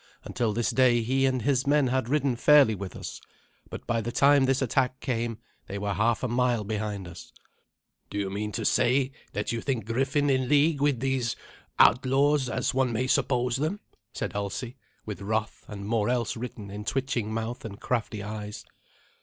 Until this day he and his men had ridden fairly with us, but by the time this attack came they were half a mile behind us." "Do you mean to say that you think Griffin in league with these outlaws, as one may suppose them?" said Alsi, with wrath and more else written in twitching mouth and crafty eyes.